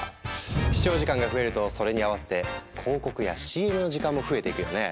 視聴時間が増えるとそれに併せて広告やＣＭの時間も増えていくよね。